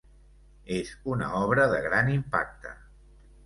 És una obra de gran impacte.